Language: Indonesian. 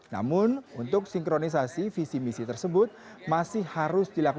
namun untuk sinkronisasi visi misi tersebut masih harus dilakukan